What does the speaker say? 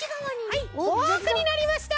はいフォークになりました！